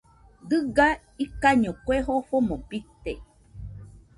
Diga ikaiño kue jofomo bite